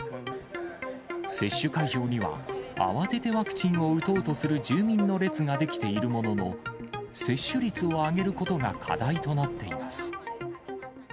接種会場には、慌ててワクチンを打とうとする住民の列が出来ているものの、接種率を上げることが課題となっています。